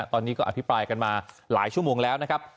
ตอนนี้ก็อภิปรายกันมาหลายชั่วโมงแล้วนะครับ